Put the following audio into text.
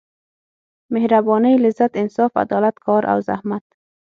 مهربانۍ لذت انصاف عدالت کار او زحمت.